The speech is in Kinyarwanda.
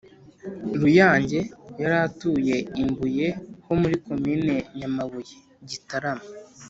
uruyange; yari atuye i mbuye ho muri komine nyamabuye (gitarama)